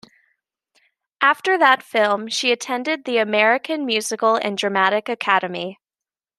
After that film she attended The American Musical and Dramatic Academy.